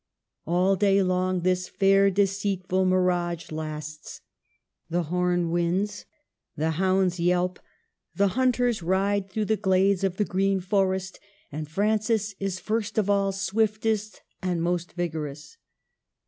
All day long this fair, deceitful mirage lasts. The horn winds, the hounds yelp, the hunters ride through the 19 290 MARGARET OF ANGOULEME. glades of the green forest ; and Francis is first of all, swiftest and most vigorous.